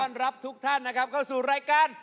และขอต้อนรับทุกท่านเข้าสู่รายการ